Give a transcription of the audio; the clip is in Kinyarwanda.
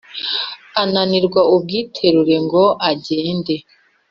Ananirwa ubwiterura ngo agende